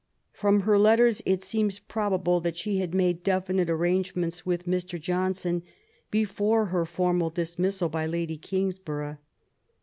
From her letters it seems probable that she had made definite arrangements with Mr. Johnson before her formal dismissal by Lady Eangsborough.